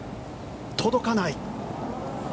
届かない。